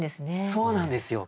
そうなんですよ。